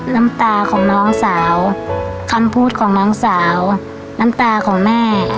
น้ำตาของน้องสาวคำพูดของน้องสาวน้ำตาของแม่